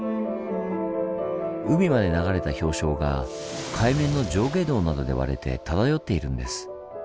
海まで流れた氷床が海面の上下動などで割れて漂っているんです。